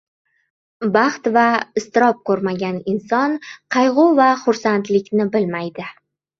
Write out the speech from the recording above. • Baxt va iztirob ko‘rmagan inson qayg‘u va xursandlikni bilmaydi.